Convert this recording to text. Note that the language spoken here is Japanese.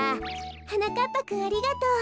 はなかっぱくんありがとう。